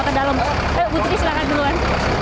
ke dalam bu tuti silahkan duluan